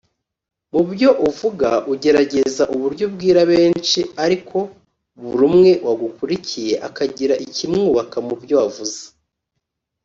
Mu byo uvuga ugerageza uburyo ubwira benshi ariko buri umwe wagukurikiye akagira ibimwubaka mubyo wavuze